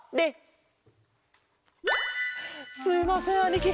すいませんあにき。